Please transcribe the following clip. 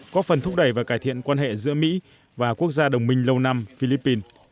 có phần thúc đẩy và cải thiện quan hệ giữa mỹ và quốc gia đồng minh lâu năm philippines